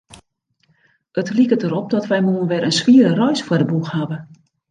It liket derop dat wy moarn wer in swiere reis foar de boech hawwe.